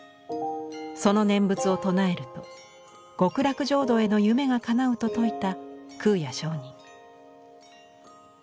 その念仏を唱えると極楽浄土への夢がかなうと説いた空也上人。